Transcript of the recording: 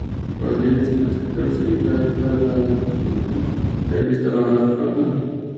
Rodríguez, como escritor, se ubica dentro de la vertiente realista urbana peruana.